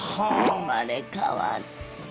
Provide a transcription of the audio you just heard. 生まれ変わった。